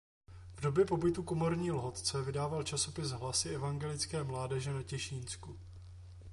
V době pobytu v Komorní Lhotce vydával časopis "Hlasy evangelické mládeže na Těšínsku".